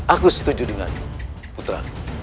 aku setuju denganmu putra